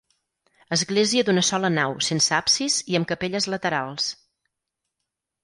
Església d'una sola nau sense absis i amb capelles laterals.